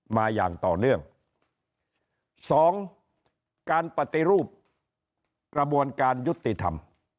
มาอย่างต่อเนื่องสองการปฏิรูปกระบวนการยุติธรรม